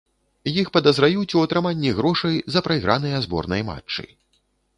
Іх падазраюць у атрыманні грошай за прайграныя зборнай матчы.